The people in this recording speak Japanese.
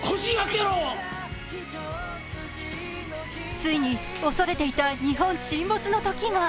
ついに恐れていた日本沈没の時が。